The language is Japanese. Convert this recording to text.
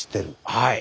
はい。